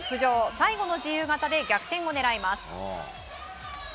最後の自由形で逆転を狙います。